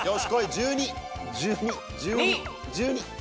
１２１２１２。